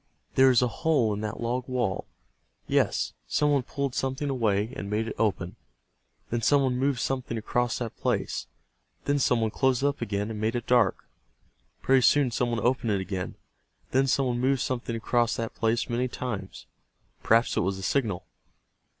"There is a hole in that log wall. Yes, some one pulled something away, and made it open. Then some one moved something across that place. Then some one closed it up again, and made it dark. Pretty soon some one opened it again. Then some one moved something across that place many times. Perhaps it was a signal."